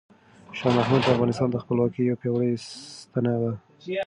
شاه محمود د افغانستان د خپلواکۍ یو پیاوړی ستنه وه.